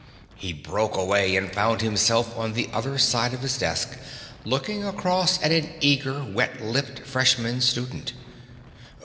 He broke away, found himself on the other side of his desk, looking across at an eager, wet lipped freshman student.